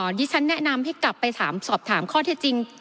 ดิฉันแนะนำให้กลับไปถามสอบถามข้อเท็จจริง